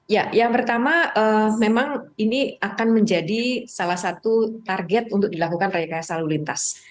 ya yang pertama memang ini akan menjadi salah satu target untuk dilakukan rekayasa lalu lintas